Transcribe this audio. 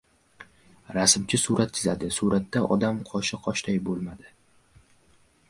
Rasmchi surat chizadi. Suratda odam qoshi qoshday bo‘lmadi.